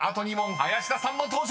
林田さんの登場］